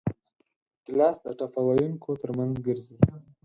ګیلاس د ټپه ویونکو ترمنځ ګرځي.